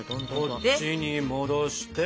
こっちに戻して。